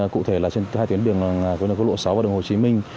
cụ thể là trên hai tuyến đường có lộ sáu và đường hồ chí minh